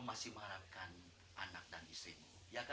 masih mengharapkan anak dan istrimu